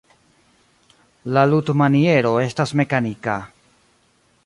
La ludmaniero estas mekanika.